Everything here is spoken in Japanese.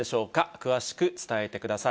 詳しく伝えてください。